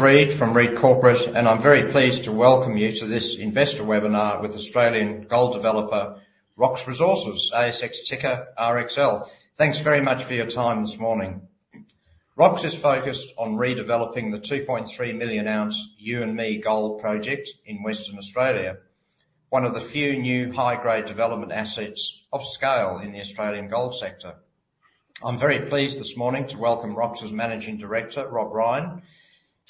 Reid from Reid Corporate, I am very pleased to welcome you to this investor webinar with Australian gold developer Rox Resources, ASX ticker RXL. Thanks very much for your time this morning. Rox is focused on redeveloping the 2.3 million ounce Youanmi Gold Project in Western Australia, one of the few new high-grade development assets of scale in the Australian gold sector. I am very pleased this morning to welcome Rox's Managing Director, Rob Ryan,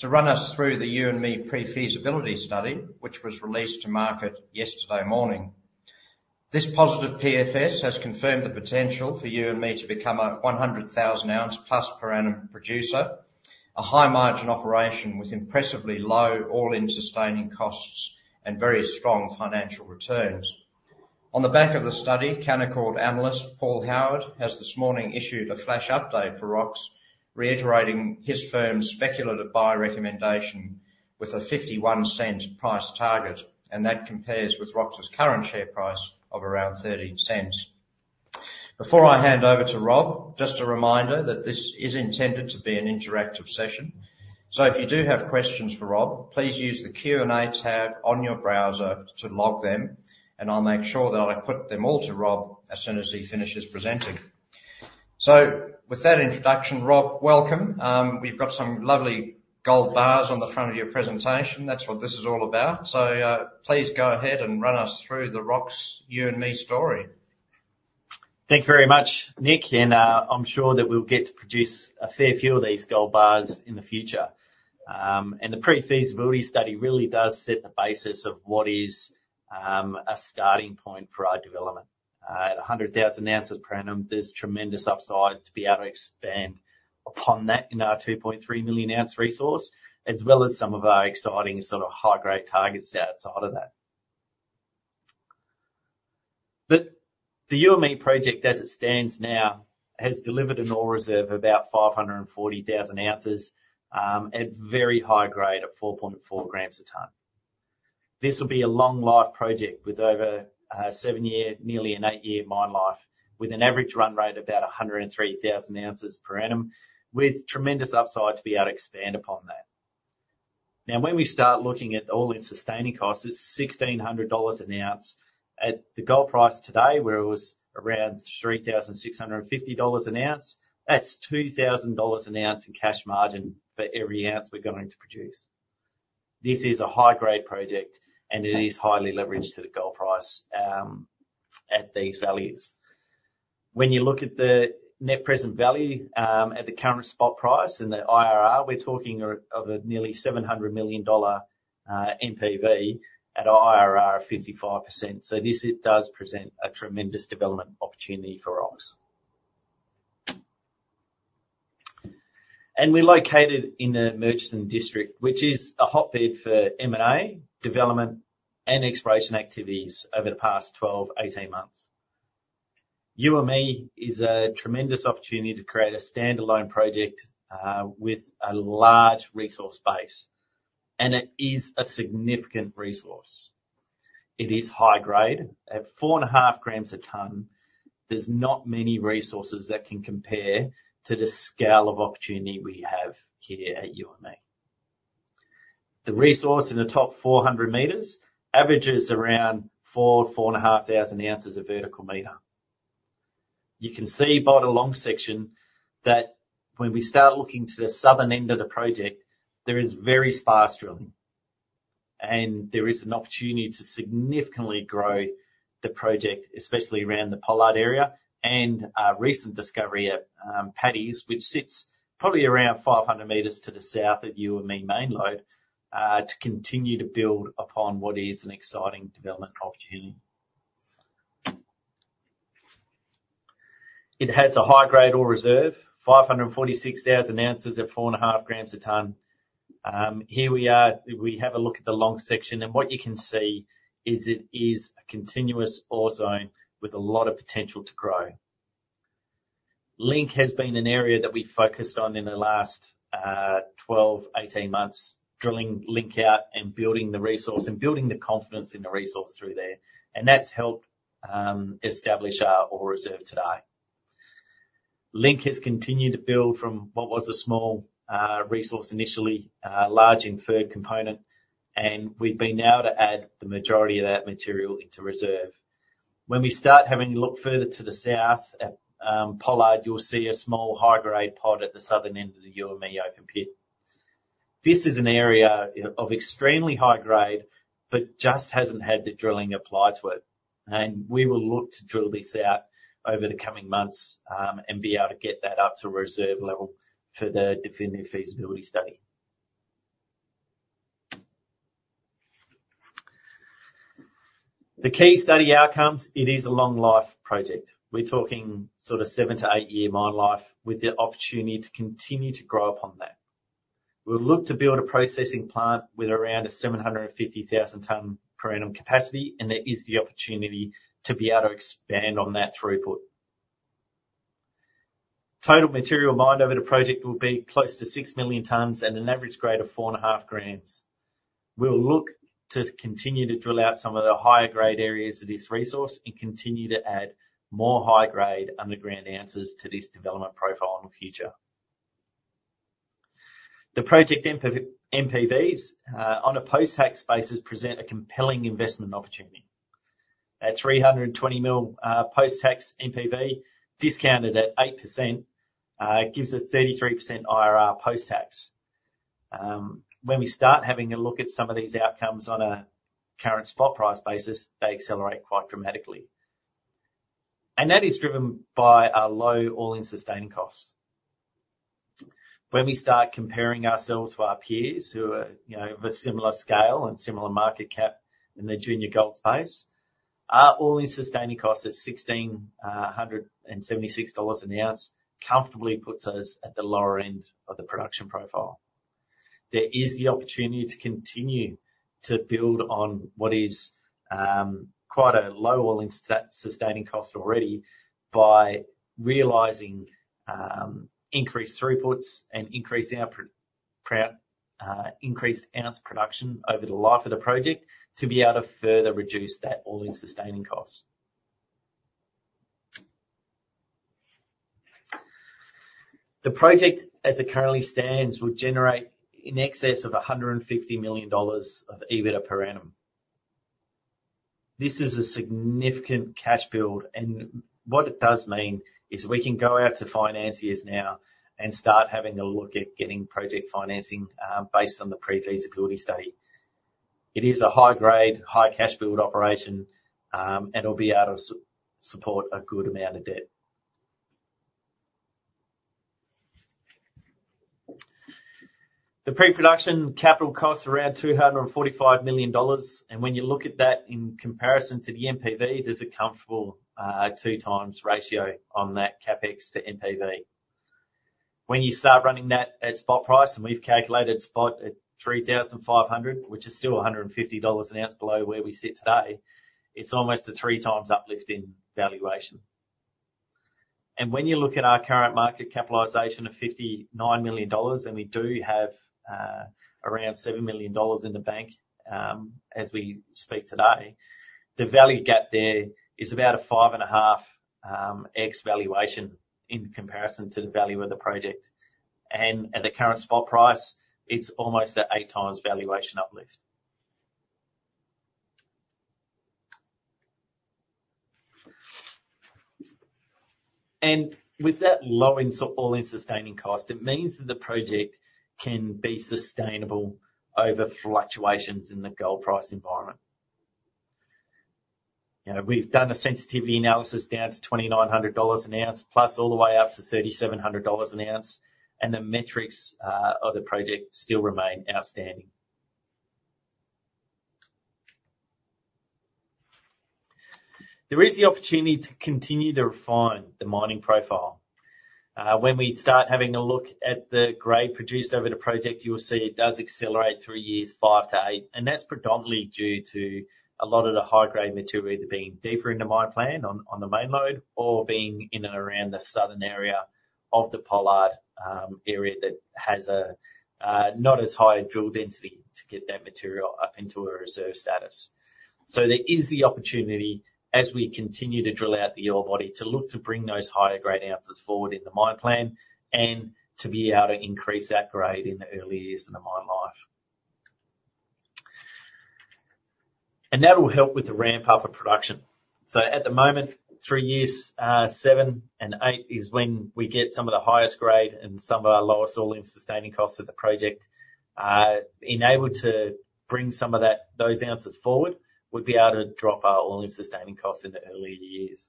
to run us through the Youanmi Pre-Feasibility Study, which was released to market yesterday morning. This positive PFS has confirmed the potential for Youanmi to become a 100,000 ounce plus per annum producer, a high margin operation with impressively low all-in sustaining costs and very strong financial returns. On the back of the study, Canaccord analyst, Paul Howard, has this morning issued a flash update for Rox, reiterating his firm's speculative buy recommendation with an 0.51 price target, that compares with Rox's current share price of around 0.13. Before I hand over to Rob, just a reminder that this is intended to be an interactive session. If you do have questions for Rob, please use the Q&A tab on your browser to log them, and I'll make sure that I put them all to Rob as soon as he finishes presenting. With that introduction, Rob, welcome. We've got some lovely gold bars on the front of your presentation. That's what this is all about. Please go ahead and run us through the Rox Youanmi story. Thank you very much, Nick, and I'm sure that we'll get to produce a fair few of these gold bars in the future. The Pre-Feasibility Study really does set the basis of what is a starting point for our development. At 100,000 ounces per annum, there's tremendous upside to be able to expand upon that in our 2.3 million ounce resource, as well as some of our exciting sort of high-grade targets outside of that. The Youanmi project, as it stands now, has delivered an ore reserve of about 540,000 ounces, at very high grade of 4.4 grams a ton. This will be a long life project with over a seven-year, nearly an eight-year mine life, with an average run rate of about 103,000 ounces per annum, with tremendous upside to be able to expand upon that. When we start looking at the all-in sustaining costs, it's 1,600 dollars an ounce. At the gold price today, where it was around 3,650 dollars an ounce, that's 2,000 dollars an ounce in cash margin for every ounce we're going to produce. This is a high-grade project, it is highly leveraged to the gold price at these values. When you look at the Net Present Value, at the current spot price and the IRR, we're talking of a nearly 700 million dollar NPV at IRR of 55%. This does present a tremendous development opportunity for Rox. We're located in the Murchison district, which is a hotbed for M&A, development, and exploration activities over the past 12, 18 months. Youanmi is a tremendous opportunity to create a standalone project with a large resource base. It is a significant resource. It is high grade at 4.5 grams a ton. There's not many resources that can compare to the scale of opportunity we have here at Youanmi. The resource in the top 400 meters averages around 4,000-4,500 ounces of vertical meter. You can see by the long section that when we start looking to the southern end of the project, there is very sparse drilling, and there is an opportunity to significantly grow the project, especially around the Pollard area and our recent discovery at Paddy's, which sits probably around 500 meters to the south of Youanmi Main Lode, to continue to build upon what is an exciting development opportunity. It has a high-grade ore reserve, 546,000 ounces at 4.5 grams a ton. Here we are. We have a look at the long section, and what you can see is it is a continuous ore zone with a lot of potential to grow. Link has been an area that we focused on in the last 12-18 months, drilling Link out and building the resource and building the confidence in the resource through there. That's helped establish our ore reserve today. Link has continued to build from what was a small resource initially, a large inferred component, and we've been now to add the majority of that material into reserve. When we start having a look further to the south at Pollard, you'll see a small high-grade pod at the southern end of the Youanmi open pit. This is an area of extremely high grade, but just hasn't had the drilling applied to it. We will look to drill this out over the coming months, and be able to get that up to a reserve level for the definitive feasibility study. The key study outcomes, it is a long life project. We're talking sort of 7-8 year mine life with the opportunity to continue to grow upon that. We'll look to build a processing plant with around a 750,000 ton per annum capacity, and there is the opportunity to be able to expand on that throughput. Total material mined over the project will be close to 6 million tons at an average grade of 4.5 grams. We'll look to continue to drill out some of the higher grade areas of this resource and continue to add more high grade underground ounces to this development profile in the future. The project NPVs, on a post-tax basis, present a compelling investment opportunity. 320 million post-tax NPV, discounted at 8%, gives a 33% IRR post-tax. When we start having a look at some of these outcomes on a current spot price basis, they accelerate quite dramatically. That is driven by our low all-in sustaining costs. When we start comparing ourselves to our peers who are of a similar scale and similar market cap in the junior gold space, our all-in sustaining cost at 1,676 dollars an ounce comfortably puts us at the lower end of the production profile. There is the opportunity to continue to build on what is quite a low all-in sustaining cost already by realizing increased throughputs and increased ounce production over the life of the project to be able to further reduce that all-in sustaining cost. The project, as it currently stands, would generate in excess of 150 million dollars of EBITDA per annum. This is a significant cash build, and what it does mean is we can go out to financiers now and start having a look at getting project financing based on the pre-feasibility study. It is a high grade, high cash build operation, and it will be able to support a good amount of debt. The pre-production capital cost around 245 million dollars, and when you look at that in comparison to the NPV, there is a comfortable two times ratio on that CapEx to NPV. When you start running that at spot price, and we have calculated spot at 3,500, which is still 150 dollars an ounce below where we sit today, it is almost a three times uplift in valuation. When you look at our current market capitalization of 59 million dollars, and we do have around 7 million dollars in the bank as we speak today, the value gap there is about a five and a half x valuation in comparison to the value of the project. At the current spot price, it is almost at eight times valuation uplift. With that low all-in sustaining costs, it means that the project can be sustainable over fluctuations in the gold price environment. We have done a sensitivity analysis down to 2,900 dollars an ounce, plus all the way up to 3,700 dollars an ounce, and the metrics of the project still remain outstanding. There is the opportunity to continue to refine the mining profile. When we start having a look at the grade produced over the project, you will see it does accelerate through years five to eight, and that is predominantly due to a lot of the high-grade material either being deeper into mine plan on the main lode or being in and around the southern area of the Pollard area that has a not as high drill density to get that material up into a reserve status. There is the opportunity, as we continue to drill out the ore body, to look to bring those higher grade ounces forward in the mine plan and to be able to increase that grade in the early years in the mine life. That will help with the ramp-up of production. At the moment, three years, seven and eight is when we get some of the highest grade and some of our lowest all-in sustaining costs of the project. Being able to bring some of those ounces forward, we would be able to drop our all-in sustaining costs in the earlier years.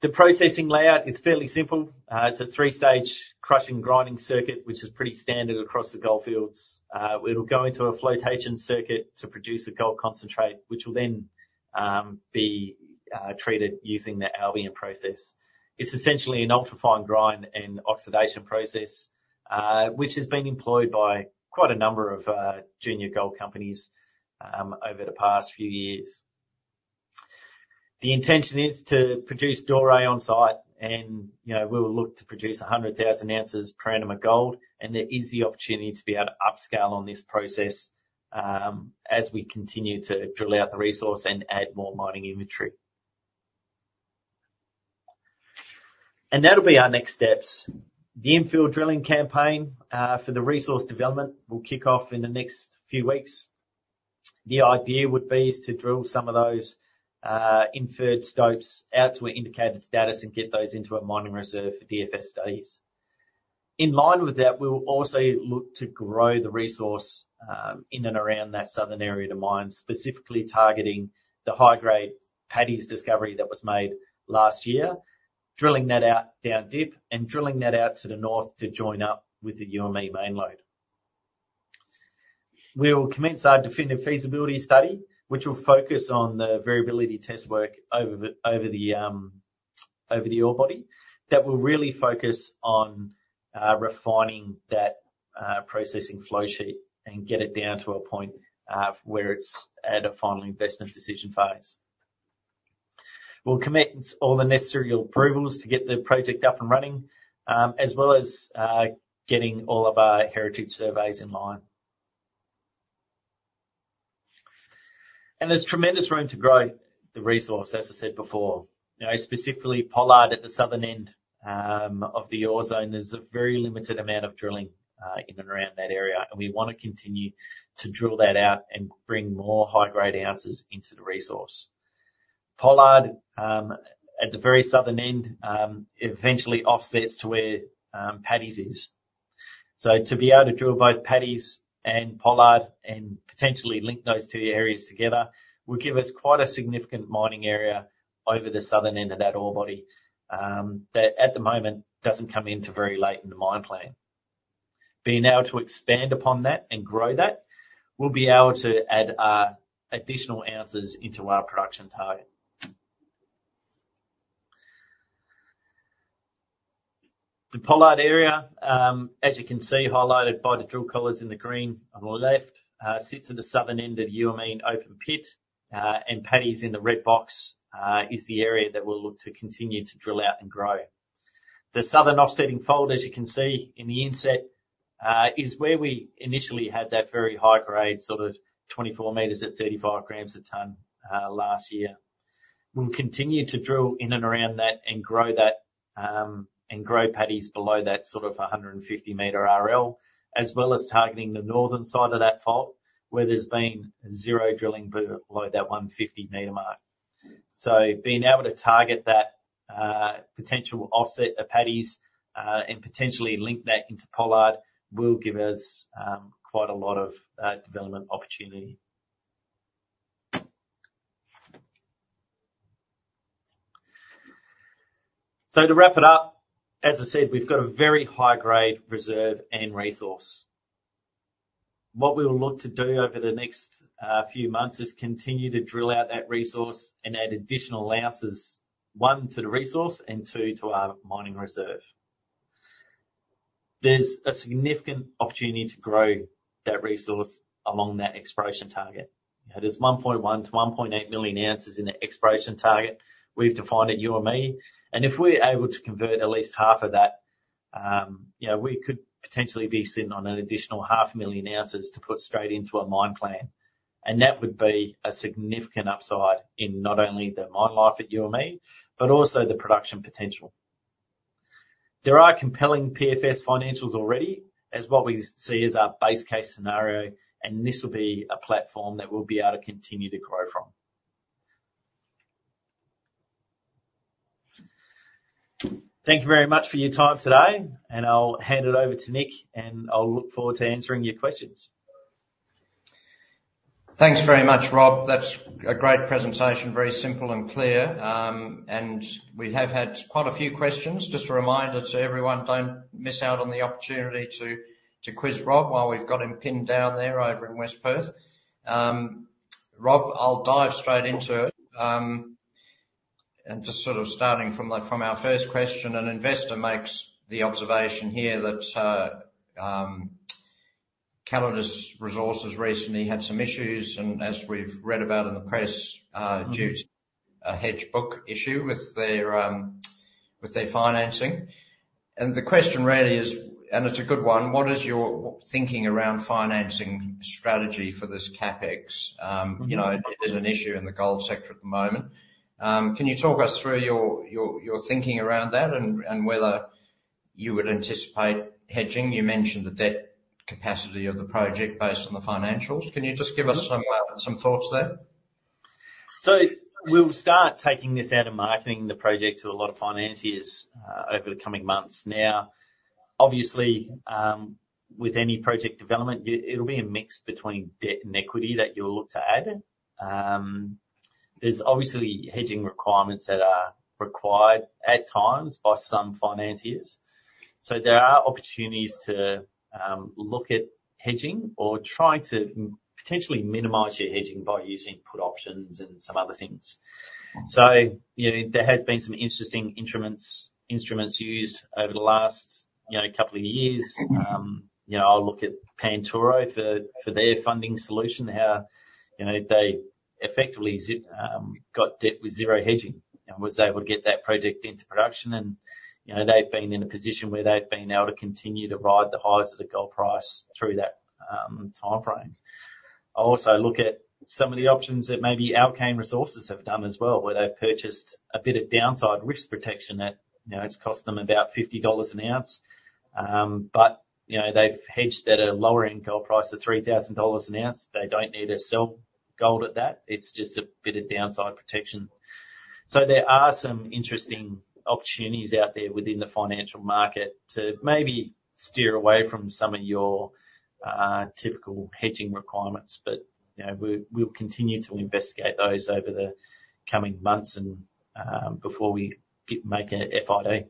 The processing layout is fairly simple. It is a 3-stage crushing grinding circuit, which is pretty standard across the gold fields. It will go into a flotation circuit to produce a gold concentrate, which will then be treated using the Albion Process. It is essentially an ultra-fine grind and oxidation process, which has been employed by quite a number of junior gold companies over the past few years. The intention is to produce doré on-site, we'll look to produce 100,000 ounces per annum of gold, there is the opportunity to be able to upscale on this process as we continue to drill out the resource and add more mining inventory. That'll be our next steps. The infill drilling campaign for the resource development will kick off in the next few weeks. The idea would be is to drill some of those inferred stopes out to an indicated status and get those into a mining reserve for DFS studies. In line with that, we will also look to grow the resource in and around that southern area of the mine, specifically targeting the high-grade Paddy's discovery that was made last year, drilling that out down deep and drilling that out to the north to join up with the Youanmi Main Lode. We will commence our definitive feasibility study, which will focus on the variability test work over the ore body. That will really focus on refining that processing flow sheet and get it down to a point where it's at a final investment decision phase. We'll commit all the necessary approvals to get the project up and running, as well as getting all of our heritage surveys in line. There's tremendous room to grow the resource, as I said before. Specifically Pollard at the southern end of the ore zone, there's a very limited amount of drilling in and around that area, and we want to continue to drill that out and bring more high-grade ounces into the resource. Pollard, at the very southern end, eventually offsets to where Paddy's is. To be able to drill both Paddy's and Pollard and potentially link those two areas together, will give us quite a significant mining area over the southern end of that ore body, that at the moment doesn't come into very late in the mine plan. Being able to expand upon that and grow that, we'll be able to add additional ounces into our production target. The Pollard area, as you can see highlighted by the drill collars in the green on the left, sits at the southern end of Youanmi open pit, and Paddy's in the red box is the area that we'll look to continue to drill out and grow. The southern offsetting fault, as you can see in the inset, is where we initially had that very high grade, sort of 24 meters at 35 grams a ton, last year. We'll continue to drill in and around that and grow Paddy's below that sort of 150-meter RL, as well as targeting the northern side of that fault, where there's been zero drilling below that 150-meter mark. Being able to target that potential offset of Paddy's, and potentially link that into Pollard, will give us quite a lot of development opportunity. To wrap it up, as I said, we've got a very high grade reserve and resource. What we'll look to do over the next few months is continue to drill out that resource and add additional ounces, one, to the resource, and two, to our mining reserve. There's a significant opportunity to grow that resource along that exploration target. There's 1.1 to 1.8 million ounces in the exploration target we've defined at Youanmi. If we're able to convert at least half of that, we could potentially be sitting on an additional half million ounces to put straight into a mine plan. That would be a significant upside in not only the mine life at Youanmi, but also the production potential. There are compelling PFS financials already, as what we see as our base case scenario, this will be a platform that we'll be able to continue to grow from. Thank you very much for your time today, I'll hand it over to Nick, and I'll look forward to answering your questions. Thanks very much, Rob. That's a great presentation. Very simple and clear. We have had quite a few questions. Just a reminder to everyone, don't miss out on the opportunity to quiz Rob while we've got him pinned down there over in West Perth. Rob, I'll dive straight into it. Just sort of starting from our first question, an investor makes the observation here that Calidus Resources recently had some issues, as we've read about in the press, due to a hedge book issue with their financing. The question really is, and it's a good one, what is your thinking around financing strategy for this CapEx? There's an issue in the gold sector at the moment. Can you talk us through your thinking around that and whether you would anticipate hedging? You mentioned the debt capacity of the project based on the financials. Can you just give us some thoughts there? We'll start taking this out and marketing the project to a lot of financiers over the coming months. Now, obviously, with any project development, it'll be a mix between debt and equity that you'll look to add. There's obviously hedging requirements that are required at times by some financiers. There are opportunities to look at hedging or try to potentially minimize your hedging by using put options and some other things. There has been some interesting instruments used over the last couple of years. I look at Pantoro for their funding solution, how they effectively got debt with zero hedging and was able to get that project into production. They've been in a position where they've been able to continue to ride the highs of the gold price through that timeframe. I also look at some of the options that maybe Alkane Resources have done as well, where they've purchased a bit of downside risk protection that it's cost them about 50 dollars an ounce. They've hedged at a lower-end gold price of 3,000 dollars an ounce. They don't need to sell gold at that. It's just a bit of downside protection. There are some interesting opportunities out there within the financial market to maybe steer away from some of your typical hedging requirements. We'll continue to investigate those over the coming months and before we make an FID.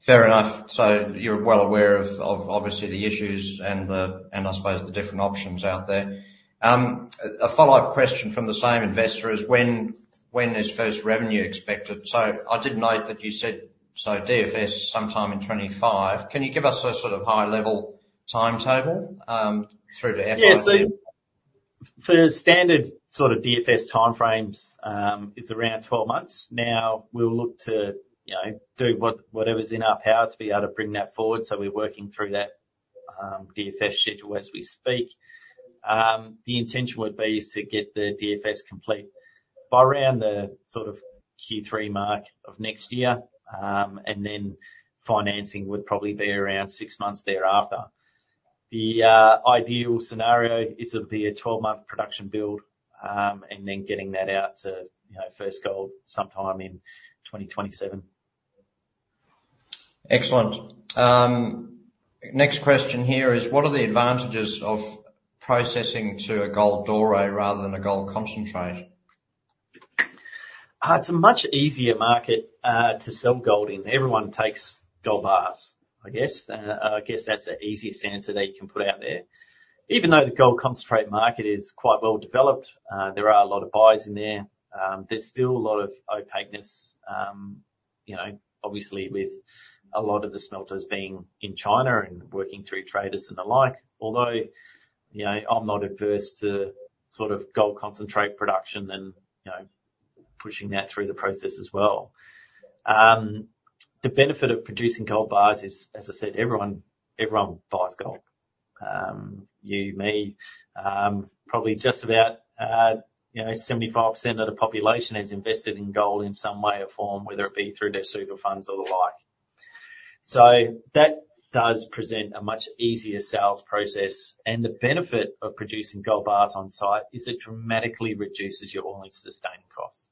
Fair enough. You're well aware of obviously the issues and I suppose the different options out there. A follow-up question from the same investor is, when is first revenue expected? I did note that you said DFS sometime in 2025. Can you give us a sort of high level timetable? Yeah. For standard DFS timeframes, it's around 12 months. Now, we'll look to do whatever's in our power to be able to bring that forward, so we're working through that DFS schedule as we speak. The intention would be is to get the DFS complete by around the Q3 mark of next year, and then financing would probably be around six months thereafter. The ideal scenario is it'll be a 12-month production build, and then getting that out to first gold sometime in 2027. Excellent. Next question here is, what are the advantages of processing to a gold doré rather than a gold concentrate? It's a much easier market to sell gold in. Everyone takes gold bars, I guess. I guess that's the easiest answer that you can put out there. Even though the gold concentrate market is quite well-developed, there are a lot of buyers in there's still a lot of opaqueness, obviously with a lot of the smelters being in China and working through traders and the like. I'm not adverse to gold concentrate production and pushing that through the process as well. The benefit of producing gold bars is, as I said, everyone buys gold. You, me. Probably just about 75% of the population has invested in gold in some way or form, whether it be through their super funds or the like. That does present a much easier sales process, and the benefit of producing gold bars on-site is it dramatically reduces your all-in sustaining costs.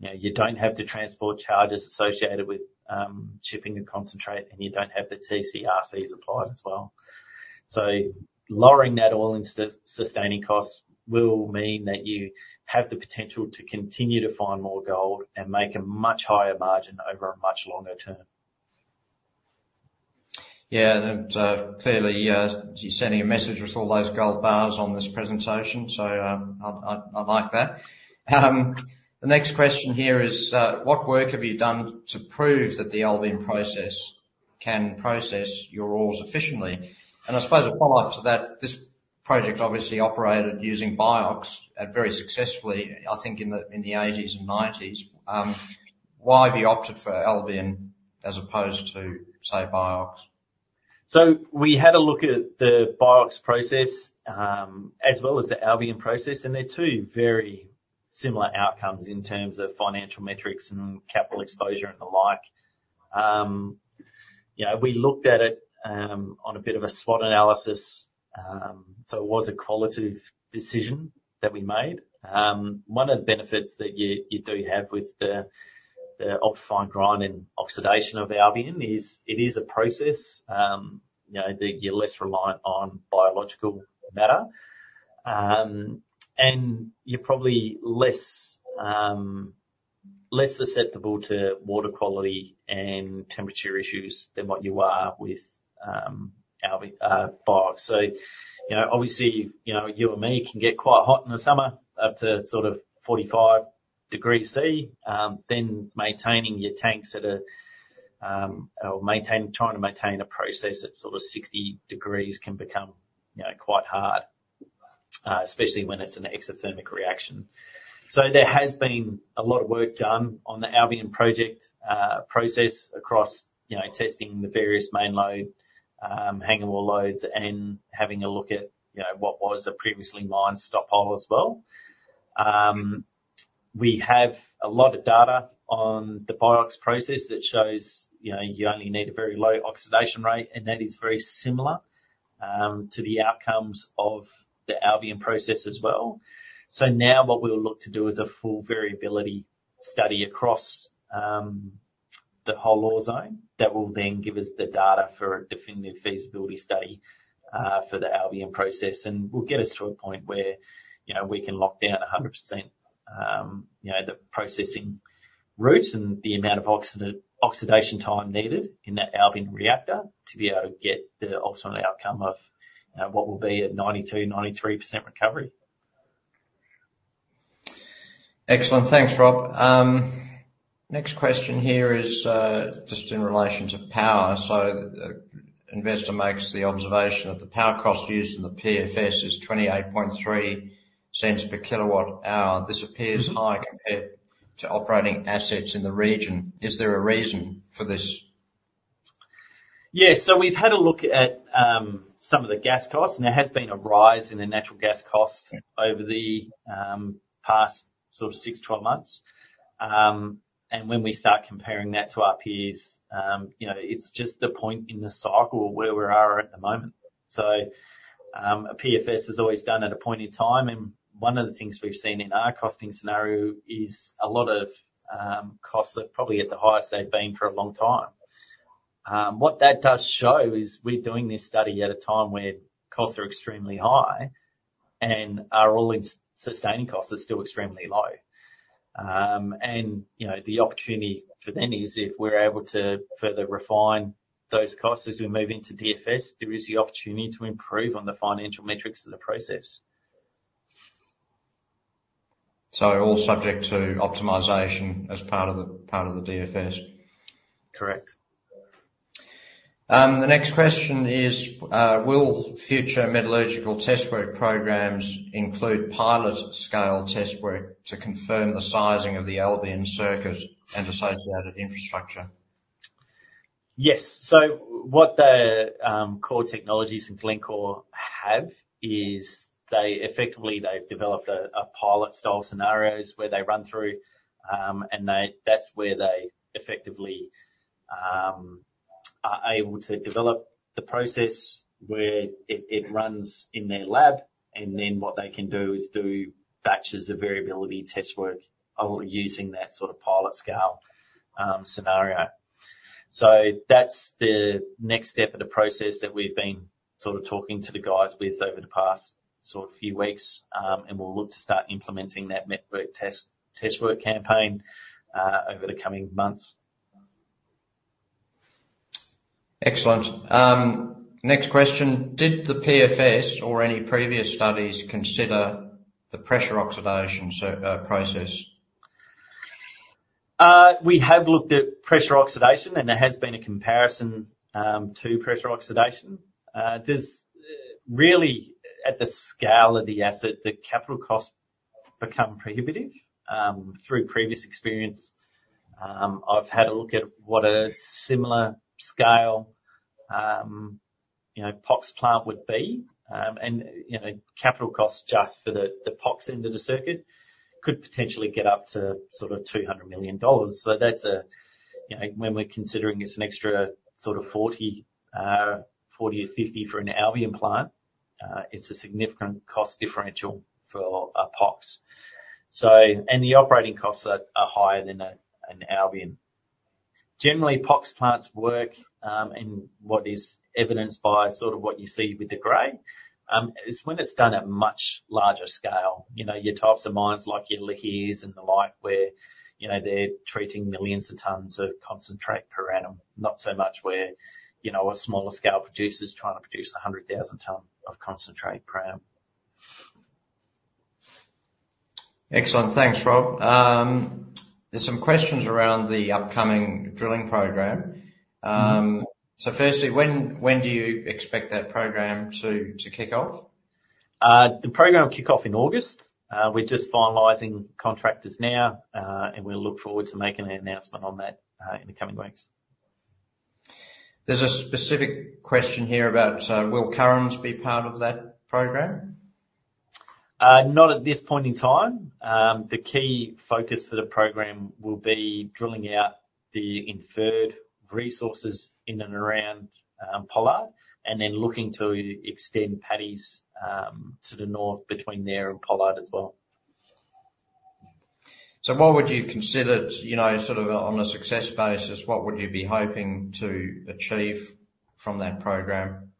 You don't have the transport charges associated with shipping the concentrate, and you don't have the TCRCs applied as well. Lowering that all-in sustaining costs will mean that you have the potential to continue to find more gold and make a much higher margin over a much longer term. Yeah. Clearly, you're sending a message with all those gold bars on this presentation, so I like that. The next question here is, what work have you done to prove that the Albion Process can process your ores efficiently? I suppose a follow-up to that, this project obviously operated using BIOX very successfully, I think, in the '80s and '90s. Why have you opted for Albion as opposed to, say, BIOX? We had a look at the BIOX Process, as well as the Albion Process, and they're two very similar outcomes in terms of financial metrics and capital exposure and the like. We looked at it on a bit of a SWOT analysis, so it was a qualitative decision that we made. One of the benefits that you do have with the optimized grind and oxidation of Albion is it is a process. You're less reliant on biological matter. You're probably less susceptible to water quality and temperature issues than what you are with BIOX. Obviously, Youanmi can get quite hot in the summer, up to 45 degrees Celsius. Maintaining your tanks or trying to maintain a process at 60 degrees can become quite hard, especially when it's an exothermic reaction. There has been a lot of work done on the Albion Process across testing the various main lode, hanging wall lodes, and having a look at what was a previously mined stope hole as well. We have a lot of data on the BIOX process that shows you only need a very low oxidation rate, and that is very similar to the outcomes of the Albion Process as well. Now what we'll look to do is a full variability study across the whole ore zone that will then give us the data for a definitive feasibility study for the Albion Process and will get us to a point where we can lock down 100% the processing routes and the amount of oxidation time needed in that Albion reactor to be able to get the ultimate outcome of what will be a 92%, 93% recovery. Excellent. Thanks, Rob. Next question here is just in relation to power. The investor makes the observation that the power cost used in the PFS is 0.283 per kilowatt hour. This appears high compared to operating assets in the region. Is there a reason for this? We've had a look at some of the gas costs, and there has been a rise in the natural gas costs over the past six to 12 months. When we start comparing that to our peers, it's just the point in the cycle where we are at the moment. A PFS is always done at a point in time, and one of the things we've seen in our costing scenario is a lot of costs are probably at the highest they've been for a long time. What that does show is we're doing this study at a time where costs are extremely high and our all-in sustaining costs are still extremely low. The opportunity for then is if we're able to further refine those costs as we move into DFS, there is the opportunity to improve on the financial metrics of the process. All subject to optimization as part of the DFS? Correct. The next question is: Will future metallurgical test work programs include pilot-scale test work to confirm the sizing of the Albion circuit and associated infrastructure? Yes. What the core technologies in Glencore have is they've developed a pilot style scenarios where they run through. That's where they effectively are able to develop the process where it runs in their lab. Then what they can do is do batches of variability test work or using that sort of pilot scale scenario. That's the next step of the process that we've been sort of talking to the guys with over the past sort of few weeks. We'll look to start implementing that met work test work campaign over the coming months. Excellent. Next question. Did the PFS or any previous studies consider the pressure oxidation process? We have looked at pressure oxidation. There has been a comparison to pressure oxidation. There's really, at the scale of the asset, the capital costs become prohibitive. Through previous experience, I've had a look at what a similar scale, POX plant would be. Capital costs just for the POX end of the circuit could potentially get up to sort of 200 million dollars. When we're considering it's an extra sort of 40 million or 50 million for an Albion plant, it's a significant cost differential for a POX. The operating costs are higher than an Albion. Generally, POX plants work in what is evidenced by sort of what you see with Glencore, is when it's done at much larger scale. Your types of mines, like your Lihir and the like, where they're treating millions of tons of concentrate per annum, not so much where a smaller scale producer's trying to produce 100,000 tons of concentrate per annum. Excellent. Thanks, Rob. There are some questions around the upcoming drilling program. Firstly, when do you expect that program to kick off? The program will kick off in August. We are just finalizing contractors now, and we look forward to making an announcement on that, in the coming weeks. There's a specific question here about, will Currans be part of that program? Not at this point in time. The key focus for the program will be drilling out the inferred resources in and around Pollard, and then looking to extend Paddy's to the north between there and Pollard as well. What would you consider, sort of on a success basis, what would you be hoping to achieve from that program?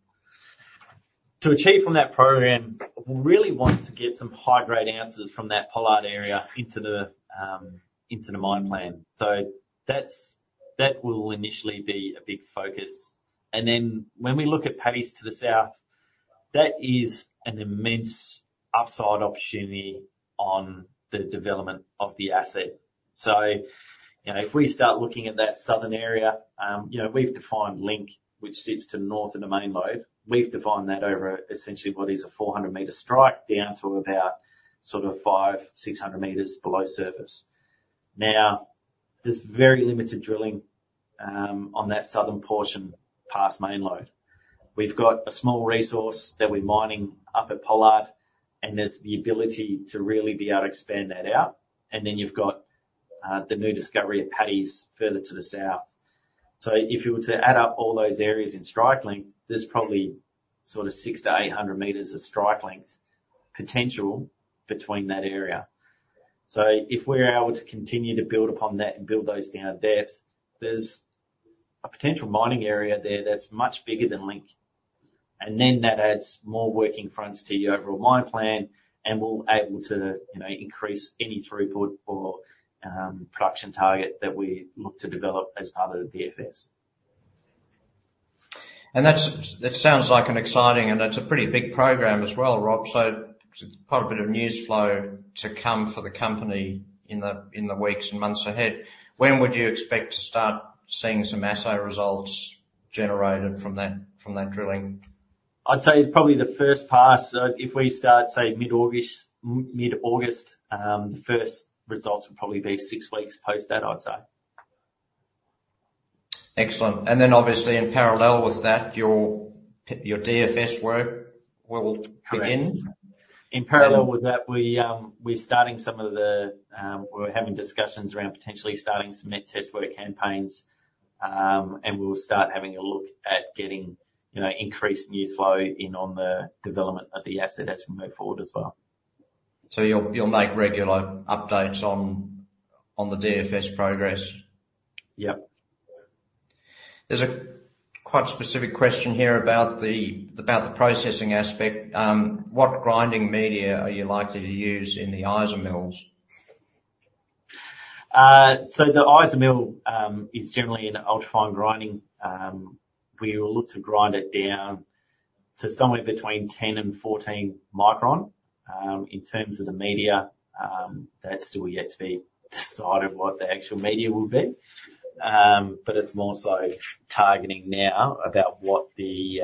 To achieve from that program, we really want to get some high-grade answers from that Pollard area into the mine plan. That will initially be a big focus. When we look at Paddy's to the south, that is an immense upside opportunity on the development of the asset. If we start looking at that southern area, we've defined Link, which sits to north of the main lode. We've defined that over essentially what is a 400-meter strike down to about sort of five, 600 meters below surface. Now, there's very limited drilling on that southern portion past main lode. We've got a small resource that we're mining up at Pollard, and there's the ability to really be able to expand that out. You've got the new discovery at Paddy's further to the south. If you were to add up all those areas in strike length, there's probably 600-800 meters of strike length potential between that area. If we're able to continue to build upon that and build those down at depth, there's a potential mining area there that's much bigger than Link. That adds more working fronts to your overall mine plan and will able to increase any throughput or production target that we look to develop as part of the DFS. That sounds like an exciting, and that's a pretty big program as well, Rob. Quite a bit of news flow to come for the company in the weeks and months ahead. When would you expect to start seeing some assay results generated from that drilling? I'd say probably the first pass. If we start, say, mid-August, the first results would probably be six weeks post that, I'd say. Excellent. Obviously in parallel with that, your DFS work will begin. Correct. In parallel with that, we're having discussions around potentially starting some met test work campaigns. We'll start having a look at getting increased news flow in on the development of the asset as we move forward as well. You'll make regular updates on the DFS progress? Yep. There's a quite specific question here about the processing aspect. What grinding media are you likely to use in the IsaMill? The IsaMill is generally an ultra-fine grinding. We will look to grind it down to somewhere between 10 and 14 micron. In terms of the media, that's still yet to be decided what the actual media will be. It's more so targeting now about what the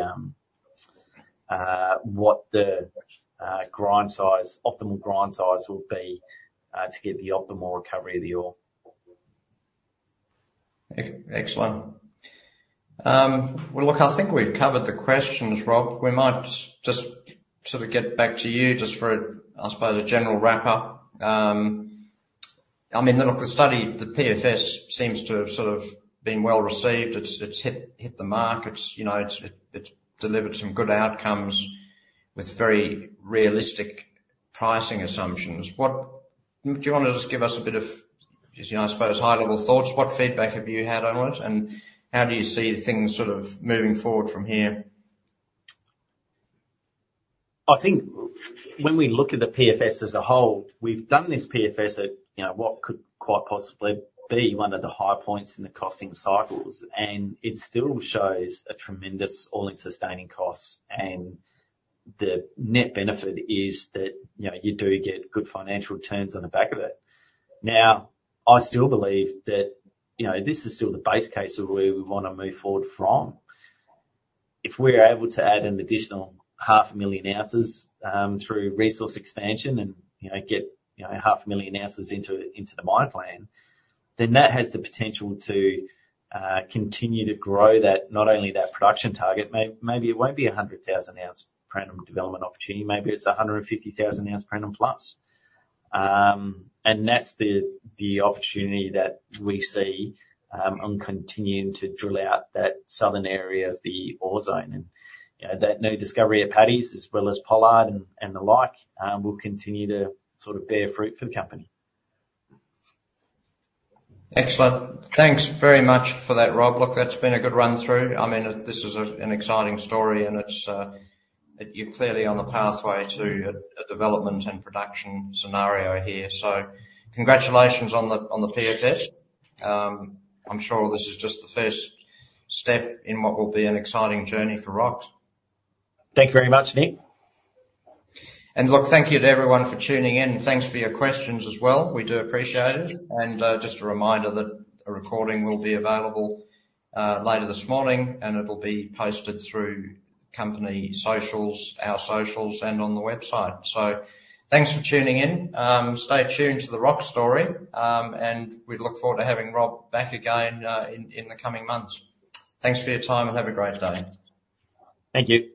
optimal grind size will be to get the optimal recovery of the ore. Excellent. Well, look, I think we've covered the questions, Rob. We might just sort of get back to you just for, I suppose, a general wrap-up. I mean, look, the study, the PFS seems to have sort of been well-received. It's hit the mark. It's delivered some good outcomes with very realistic pricing assumptions. Do you want to just give us a bit of, I suppose, high-level thoughts? What feedback have you had on it, and how do you see things sort of moving forward from here? I think when we look at the PFS as a whole, we've done this PFS at what could quite possibly be one of the high points in the costing cycles, and it still shows a tremendous all-in sustaining cost. The net benefit is that you do get good financial returns on the back of it. I still believe that this is still the base case of where we want to move forward from. If we're able to add an additional half a million ounces through resource expansion and get half a million ounces into the mine plan, then that has the potential to continue to grow not only that production target. Maybe it won't be 100,000-ounce per annum development opportunity. Maybe it's 150,000 ounce per annum plus. That's the opportunity that we see on continuing to drill out that southern area of the ore zone. That new discovery at Paddy's, as well as Pollard and the like, will continue to sort of bear fruit for the company. Excellent. Thanks very much for that, Rob. Look, that's been a good run-through. I mean, this is an exciting story, and you're clearly on the pathway to a development and production scenario here. Congratulations on the PFS. I'm sure this is just the first step in what will be an exciting journey for Rox. Thank you very much, Nick. Look, thank you to everyone for tuning in, and thanks for your questions as well. We do appreciate it. Just a reminder that a recording will be available later this morning, and it'll be posted through company socials, our socials, and on the website. Thanks for tuning in. Stay tuned to the Rox story. We look forward to having Rob back again in the coming months. Thanks for your time, and have a great day. Thank you.